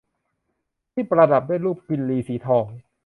ที่ประดับด้วยรูปกินรีสีทอง